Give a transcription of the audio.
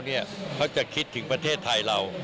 เขาจะคิดถึงประเทศไทยเรา